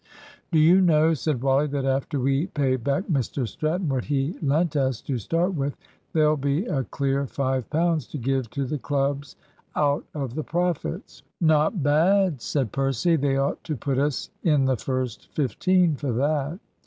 "Do you know," said Wally, "that after we pay back Mr Stratton what he lent us to start with, there'll be a clear £5 to give to the clubs out of the profits?" "Not bad," said Percy. "They ought to put us in the first fifteen for that."